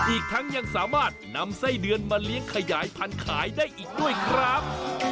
อีกทั้งยังสามารถนำไส้เดือนมาเลี้ยงขยายพันธุ์ขายได้อีกด้วยครับ